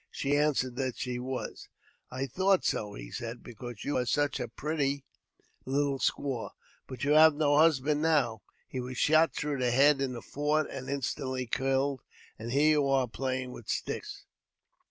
She answered that she was. " I thought so," he said, "because you are such a pretty I JAMES P. BECKWOUBTH. 169 little squaw ; but you have no husband now ; he was shot through the head in the fort, and instantly killed ; and here you are playing with sticks